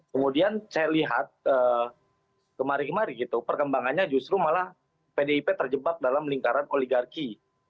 kemudian saya lihat kemarin kemarin gitu perkembangannya justru malah pdip terjebak dalam lingkaran oligarki